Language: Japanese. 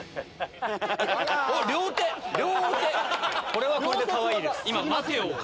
これはこれでかわいいです。